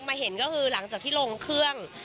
เห็นก็คือหลังจากที่ลงเครื่อง